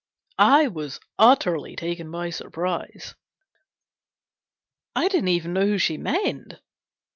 I was utterly taken by surprise. I didn't know who she meant.